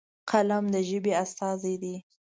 قلم د ژبې استازی دی.